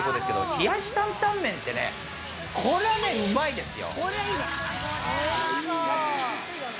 冷やし担々麺って、これはうまいですよ。